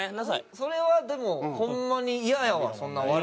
それはでもホンマにイヤやわそんな悪口。